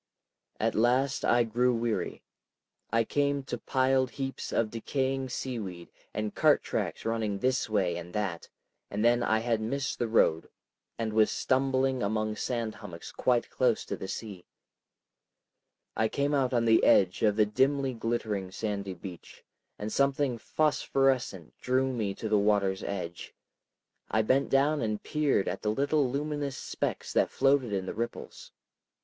At last I grew weary. I came to piled heaps of decaying seaweed and cart tracks running this way and that, and then I had missed the road and was stumbling among sand hummocks quite close to the sea. I came out on the edge of the dimly glittering sandy beach, and something phosphorescent drew me to the water's edge. I bent down and peered at the little luminous specks that floated in the ripples.